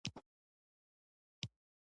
سانتیاګو نا امیده نه کیږي.